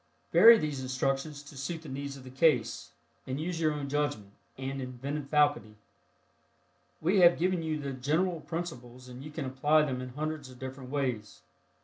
Vary these instructions to suit the needs of the case, and use your own judgment and inventive faculty. We have given you the general principles and you can apply them in hundreds of different ways.